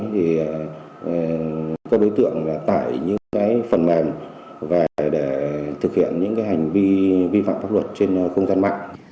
đấy thì các đối tượng là tải những cái phần mềm và để thực hiện những cái hành vi vi phạm pháp luật trên không gian mạng